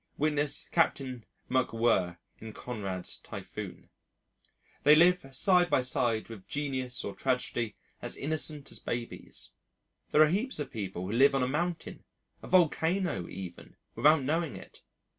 (Witness Capt. McWhirr in Conrad's Typhoon.) They live side by side with genius or tragedy as innocent as babies; there are heaps of people who live on a mountain, a volcano, even, without knowing it.